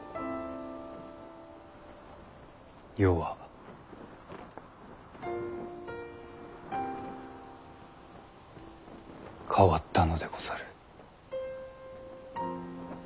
世は変わったのでござる。